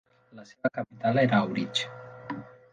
La seva capital era Aurich.